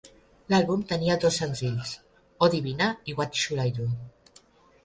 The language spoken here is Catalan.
L'àlbum tenia dos senzills: "O'Divina" i "What Shall I Do?